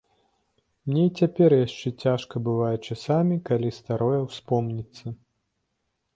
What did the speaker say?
Мне й цяпер яшчэ цяжка бывае часамі, калі старое ўспомніцца.